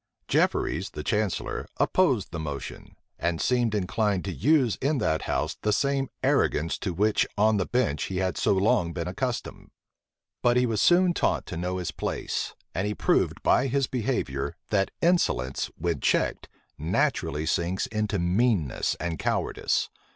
Jefferies, the chancellor, opposed the motion; and seemed inclined to use in that house the same arrogance to which on the bench he had so long been accustomed: but he was soon taught to know his place; and he proved, by his behavior, that insolence, when checked, naturally sinks into meanness and cowardice.